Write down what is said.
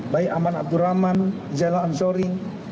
baik aman abdurrahman zainal anshori